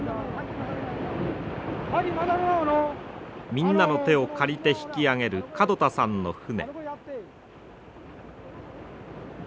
みんなの手を借りて引き上げる門田さんの船。